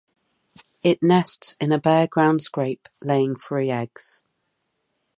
It nests in a bare ground scrape, laying three eggs.